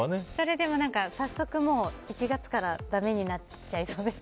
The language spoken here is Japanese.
でも、早速１月からだめになっちゃいそうですね。